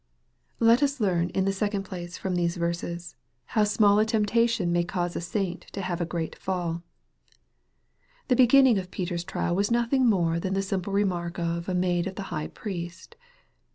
Let us learn, in the second place, from these verses. MARK, CHAP. XIV. 333 how small a temptation may cause a saint to have a great fall. The beginning of Peter's trial was nothing more than the simple remark of " a maid of the High Priest."